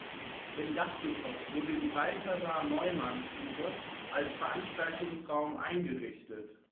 Im Dachgeschoss wurde die „Balthasar-Neumann-Stube“ als Veranstaltungsraum eingerichtet.